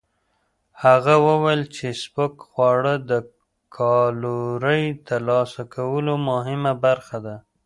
هغه وویل چې سپک خواړه د کالورۍ ترلاسه کولو مهمه برخه ده.